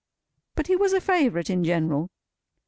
But he was a favourite in general.